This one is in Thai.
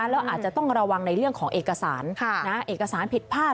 แล้วอาจจะต้องระวังในเรื่องของเอกสารเอกสารผิดพลาด